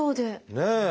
ねえ。